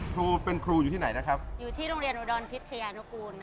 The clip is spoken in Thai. ครูเป็นครูอยู่ที่ไหนนะครับอยู่ที่โรงเรียนอุดรพิชยานุกูล